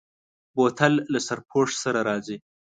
بوتل له سرپوښ سره راځي.